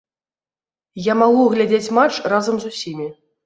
Я магу глядзець матч разам з усімі.